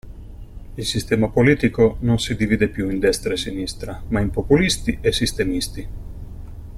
Il sistema politico non si divide più in destra e sinistra, ma in populisti e sistemisti.